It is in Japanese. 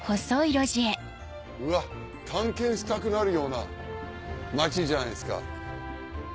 うわっ探検したくなるような町じゃないですか。